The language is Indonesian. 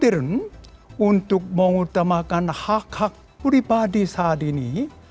kemudian untuk menguatakan hak hak pribadi saat ini